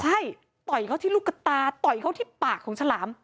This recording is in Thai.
ใช่ต่อยเขาที่ลูกตาต่อยเขาที่ปากของฉลาม